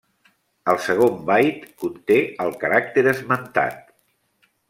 El segon byte conté el caràcter esmentat.